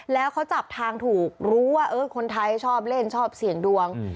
แล้วเขาจับทางถูกรู้ว่าเออคนไทยชอบเล่นชอบเสี่ยงดวง